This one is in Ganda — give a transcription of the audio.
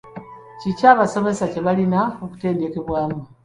Ki ki abasomesa kye balina okutendekebwamu?